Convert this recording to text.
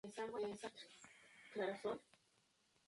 Pertenece al municipio Ust-Labínskoye.